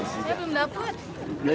saya belum dapat